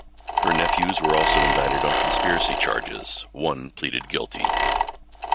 Her nephews were also indicted on conspiracy charges, one pleaded guilty.